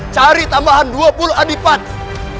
cari tambahan dua puluh anipan